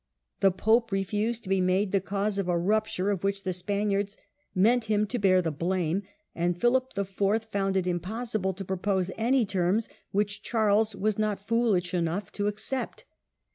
The Pope refused to be made the cause of a rupture of which the Spaniards meant him to bear the blame, and Philip IV. found it impossible to propose any terms which Charles was not foolish enough to accept.